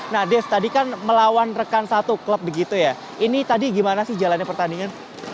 nah des tadi kan melawan rekan satu klub begitu ya ini tadi gimana sih jalannya pertandingan